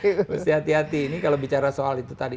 harus hati hati ini kalau bicara soal itu tadi